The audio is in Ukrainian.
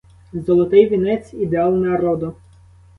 Золотий вінець — ідеал народу.